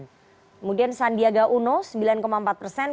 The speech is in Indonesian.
kemudian sandiaga uno sembilan empat persen